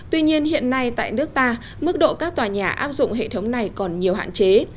tuy nhiên hiện nay tại nước ta mức độ các tòa nhà áp dụng hệ thống này còn nhiều hạn chế